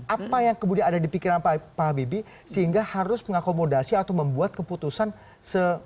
apa yang kemudian ada di pikiran pak habibie sehingga harus mengakomodasi atau membuat keputusan se